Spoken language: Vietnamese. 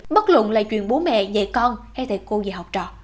bất luận là chuyện bố mẹ dạy con hay thầy cô dạy học trò